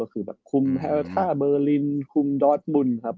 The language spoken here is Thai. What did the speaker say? คุมฮาวิทยาลัยเบอร์ลินคุมดอทบุ้นครับ